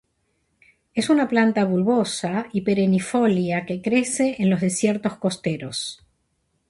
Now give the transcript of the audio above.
Es una planta bulbosa y perennifolia que crece en los desiertos costeros.